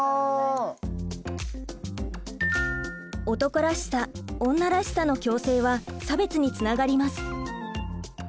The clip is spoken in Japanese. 「男らしさ」「女らしさ」の強制は差別につながります。